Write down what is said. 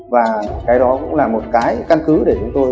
và cái đó cũng là một cái căn cứ để chúng tôi